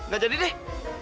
gak jadi deh